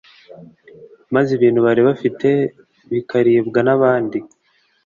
maze ibintu bari bafite bikaribwa n'abandi